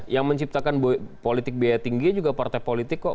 yang menciptakan politik biaya tinggi juga partai politik kok